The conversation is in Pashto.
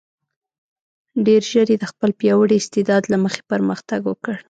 ډېر ژر یې د خپل پیاوړي استعداد له مخې پرمختګ وکړ.